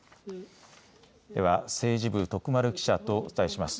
では、政治部徳丸記者とお伝えします。